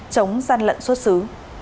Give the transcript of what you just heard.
chống gian lận xuất xứ